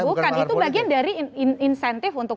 bukan itu bagian dari insentif untuk